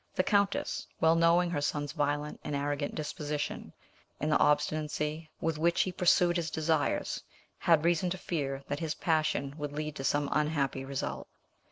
The countess, well knowing her son's violent and arrogant disposition, and the obstinacy with which he pursued his desires, had reason to fear that his passion would lead to some unhappy result.